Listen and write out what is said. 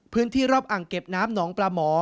พื้นที่รอบอ่างเก็บน้ำหนองปลาหมอ